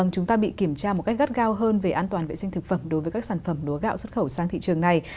chúng ta bị kiểm tra một cách gắt gao hơn về an toàn vệ sinh thực phẩm đối với các sản phẩm lúa gạo xuất khẩu sang thị trường này